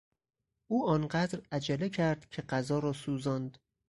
او آنقدر عجله کرد که غذا را سوزاند.